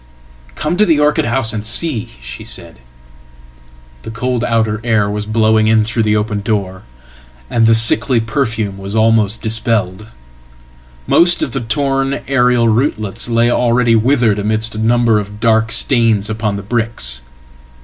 "Come to the orchid house and see," shesaid. The cold outer air was blowing in through the open door, and the sicklyperfume was almost dispelled. Most of the torn aerial rootlets lay alreadywithered amidst a number of dark stains upon the bricks.